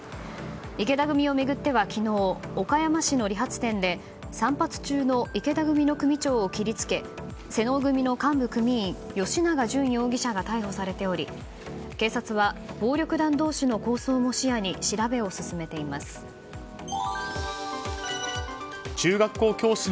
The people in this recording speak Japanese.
池田組を巡っては昨日岡山市の理髪店で散髪中の池田組の組長を切り付け妹尾組の幹部組員吉永淳容疑者が逮捕されており警察は暴力団同士の抗争も視野に調べを進めています。